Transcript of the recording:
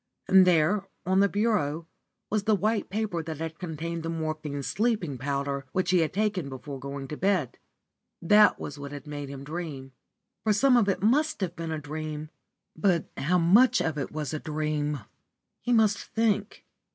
And there, on the bureau, was the white paper that had contained the morphine sleeping powder which he took before going to bed. That was what had made him dream. For some of it must have been a dream! But how much of it was a dream? He must think.